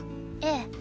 ええ。